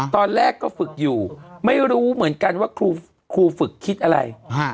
ตอนแรกก็ฝึกอยู่ไม่รู้เหมือนกันว่าครูฝึกคิดอะไร